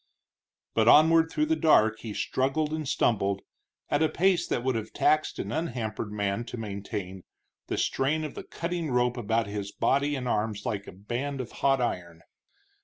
But onward through the dark he struggled and stumbled, at a pace that would have taxed an unhampered man to maintain, the strain of the cutting rope about his body and arms like a band of hot iron.